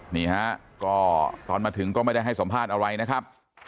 นี่ฮะก็ตอนมาถึงก็ไม่ได้ให้สัมภาษณ์อะไรนะครับ